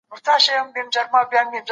موږ ښه ملګري یو.